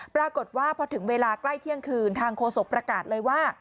ปรากฏว่าพอถึงเวลาใกล้เที่ยงคืนทางโฆษกประกาศเลยว่า